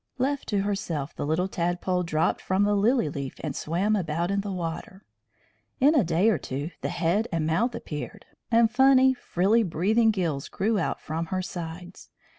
Left to herself, the little tadpole dropped from the lily leaf and swam about in the water. In a day or two the head and mouth appeared, and funny, frilly breathing gills grew out from her sides.